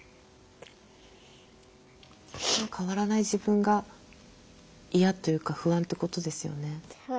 変わらない自分が嫌というか不安ってことですよね。